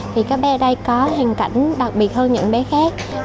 thì các bé ở đây có hoàn cảnh đặc biệt hơn những bé khác